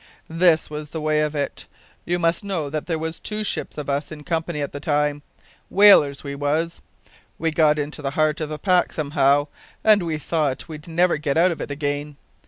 "This was the way of it. You must know that there was two ships of us in company at the time. Whalers we was. We got into the heart of the pack somehow, and we thought we'd never get out of it again.